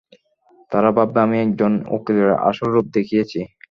তারা ভাববে আমি একজন উকিলের আসল রূপ দেখিয়েছি।